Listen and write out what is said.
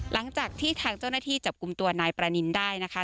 หลังจากที่ทางเจ้าหน้าที่จับกลุ่มตัวนายประนินได้นะคะ